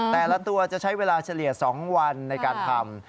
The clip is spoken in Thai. แต่ละตัวจะใช้เวลาเฉลี่ย๒วันในการทำ